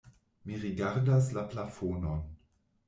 Mi rigardas la plafonon.